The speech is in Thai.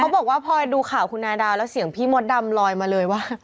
บอกว่าพอดูข่าวคุณนาดาวแล้วเสียงพี่มดดำลอยมาเลยว่า